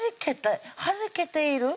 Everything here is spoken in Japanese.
はじけている？